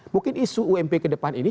jadi isu ump ke depan ini